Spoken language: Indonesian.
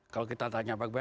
kalau kita tanya bang ibnal